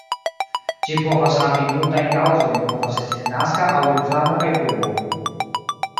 Ĝi povas havi multan kaŭzojn, povas esti denaska aŭ inflamo kaj bruo.